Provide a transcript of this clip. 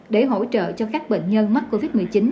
để hỗ trợ cho các bệnh nhân mắc covid một mươi chín